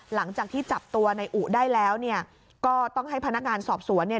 หลังจากที่จับตัวในอุได้แล้วเนี่ยก็ต้องให้พนักงานสอบสวนเนี่ย